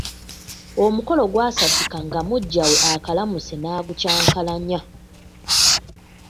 Omukolo gwasasika nga muggya we akaalaamuse n'agukyankalanya.